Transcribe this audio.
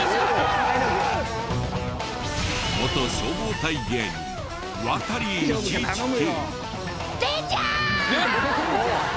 元消防隊芸人ワタリ１１９。